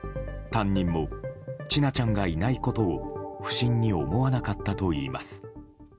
担任も千奈ちゃんがいないことを不審に思わなかったといいます。